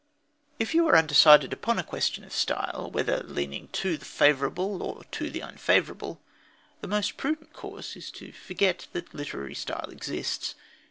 If you are undecided upon a question of style, whether leaning to the favourable or to the unfavourable, the most prudent course is to forget that literary style exists.